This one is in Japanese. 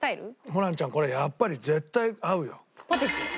ホランちゃんこれやっぱり絶対合うよ。